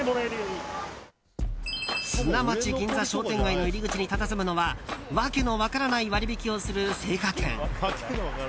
砂町銀座商店街の入り口にたたずむのは訳の分からない割引をする青果店。